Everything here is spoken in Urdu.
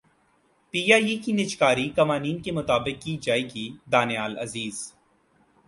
پی ائی اے کی نجکاری قوانین کے مطابق کی جائے گی دانیال عزیز